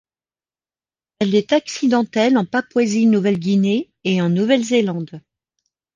Elle est accidentelle en Papouasie-Nouvelle-Guinée et en Nouvelle-Zélande.